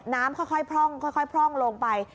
น้ำค่อยพร่องค่อยพร่องลงไป